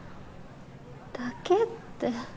「だけ」って。